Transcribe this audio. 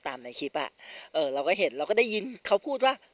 ในคลิปอ่ะเอ่อเราก็เห็นเราก็ได้ยินเขาพูดว่า